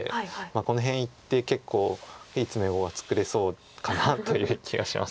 この辺いって結構いい詰碁が作れそうかなという気がします。